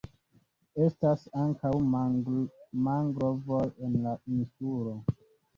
Estas ankaŭ mangrovoj en la insulo.